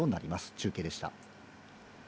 中継でした。